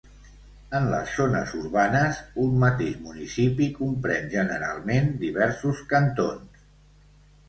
En les zones urbanes, un mateix municipi compren generalment diversos cantons.